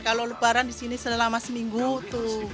kalau lebaran di sini selama seminggu itu